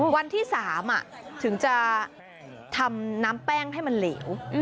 วันที่๓ถึงจะทำน้ำแป้งให้มันเหลว